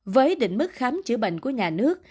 với định mức khám chữa bệnh của nhà nước